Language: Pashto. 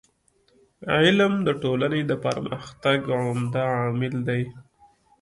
علم د ټولني د پرمختګ عمده عامل دی.